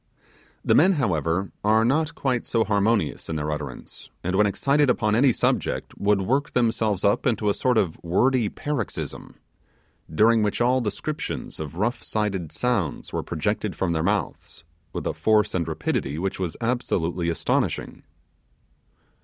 The men however, are not quite so harmonious in their utterance, and when excited upon any subject, would work themselves up into a sort of wordy paroxysm, during which all descriptions of rough sided sounds were projected from their mouths, with a force and rapidity which was absolutely astonishing.